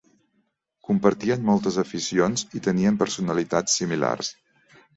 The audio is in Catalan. Compartien moltes aficions i tenien personalitats similars.